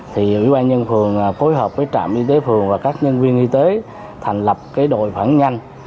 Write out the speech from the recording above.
thì ủy ban nhân phường phối hợp với trạm y tế phường và các nhân viên y tế thành lập cái đội phản nhanh